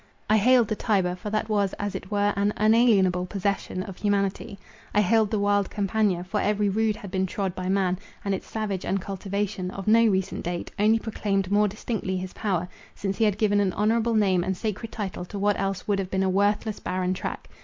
I hailed the Tiber, for that was as it were an unalienable possession of humanity. I hailed the wild Campagna, for every rood had been trod by man; and its savage uncultivation, of no recent date, only proclaimed more distinctly his power, since he had given an honourable name and sacred title to what else would have been a worthless, barren track.